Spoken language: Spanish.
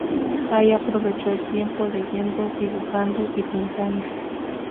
Ahí aprovechó el tiempo leyendo, dibujando y pintando.